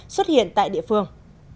xuất hiện tại địa phương